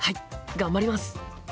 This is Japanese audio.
頑張ります。